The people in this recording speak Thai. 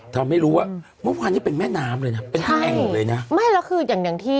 ทำให้รู้ว่าเมื่อวานนี้เป็นแม่น้ำเลยนะเป็นแอ่งหมดเลยนะไม่แล้วคืออย่างอย่างที่